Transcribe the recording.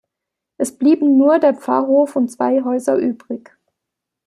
Es blieben nur der Pfarrhof und zwei Häuser übrig.